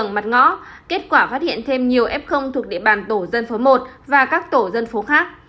mặt ngõ kết quả phát hiện thêm nhiều f thuộc địa bàn tổ dân phố một và các tổ dân phố khác